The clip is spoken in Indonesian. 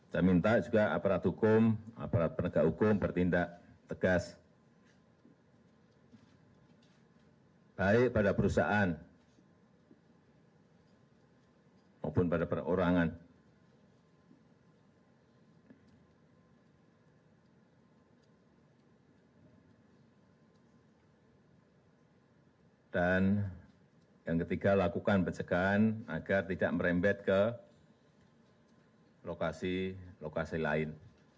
kita harus berhenti menyebabkan agar tidak merembet ke lokasi lokasi lain